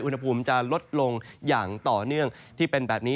อุณหภูมิจะลดลงอย่างต่อเนื่องที่เป็นแบบนี้